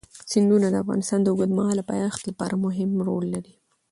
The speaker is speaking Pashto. سیندونه د افغانستان د اوږدمهاله پایښت لپاره مهم رول لري.